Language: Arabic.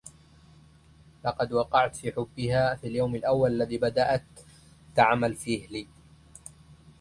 لقد وقعت في حبّها في اليوم الأوّل الذي بدأت تعمل فيه لي.